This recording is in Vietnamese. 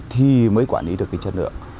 thì mới quản lý được cái chất lượng